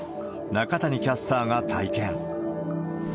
中谷キャスターが体験。